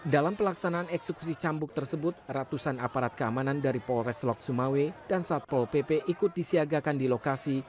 dalam pelaksanaan eksekusi cambuk tersebut ratusan aparat keamanan dari polres lok sumawe dan satpol pp ikut disiagakan di lokasi